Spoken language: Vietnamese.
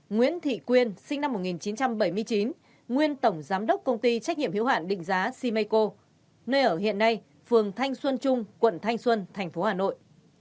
nguyễn thị quyên sinh năm một nghìn chín trăm bảy mươi chín nguyên tổng giám đốc công ty trách nhiệm hiệu hạn định giá simeco nơi ở hiện nay phường thanh xuân trung quận thanh xuân tp hà nội